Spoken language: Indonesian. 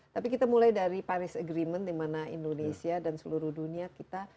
tapi kita mulai dari paris agreement dimana indonesia dan seluruh dunia kita